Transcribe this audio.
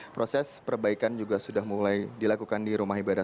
proses perbaikan juga sudah mulai dilakukan di rumah ibadah